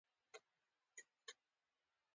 پوخ عمر تجربه راوړي